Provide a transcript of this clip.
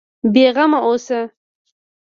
بېغمه اوسه.